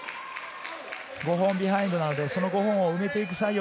５本ビハインドなので、５本を埋めていく作業。